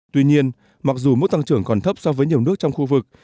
tuy nhiên mặc dù mức tăng trưởng còn thấp so với nhiều nước trong khu vực